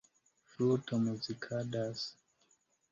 Fluto Muzikadas.